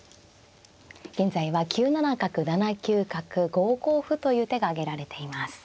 現在は９七角７九角５五歩という手が挙げられています。